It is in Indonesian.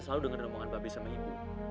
selalu dengar rombongan baabe sama ibu